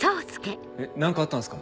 えっ何かあったんすか？